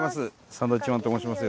サンドウィッチマンと申します。